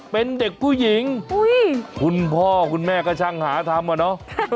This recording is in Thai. เป็นเด็กผู้หญิงคุณพ่อคุณแม่ก็ช่างหาทำอะเนาะ